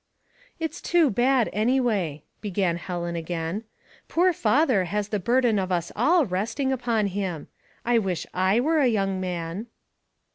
" It's too bad, anyway," began Helen again. *' Poor father has the burden of us all resting upon him. I wish /were a young man."